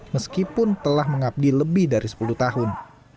meskipun telah mengabdi lebih dari sepuluh tahun